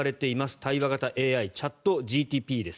対話型ＡＩチャットＧＰＴです。